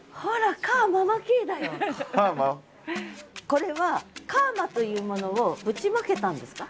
これは「かーま」というものをぶちまけたんですか？